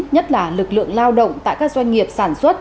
nhất là lực lượng lao động tại các doanh nghiệp sản xuất